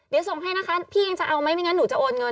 เดี๋ยวส่งให้นะคะพี่ยังจะเอาไหมไม่งั้นหนูจะโอนเงิน